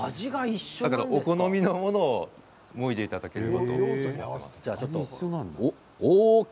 だからお好みのものをもいでいただければと思います。